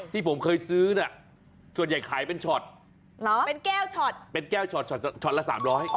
ที่ผมเคยซื้อน่ะส่วนใหญ่ขายเป็นช็อตเป็นแก้วช็อตเป็นแก้วช็อตละ๓๐๐บาท